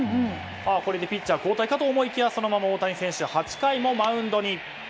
これでピッチャー交代と思いきやそのまま大谷選手８回もマウンドに。